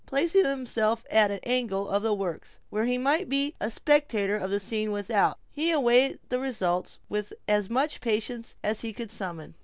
Placing himself at an angle of the works, where he might be a spectator of the scene without, he awaited the result with as much patience as he could summon.